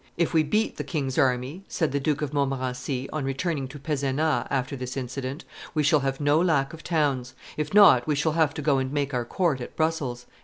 "If we beat the king's army," said the Duke of Montmorency on returning to Pezenas after this incident, "we shall have no lack of towns; if not, we shall have to go and make our court at Brussels."